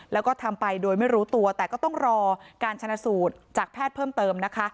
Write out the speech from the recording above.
แล้วก็ทำไปโดยไม่รู้ตัวแต่ก็ต้องรอการชนะสูตรจากแพทย์เพิ่มเติมนะคะ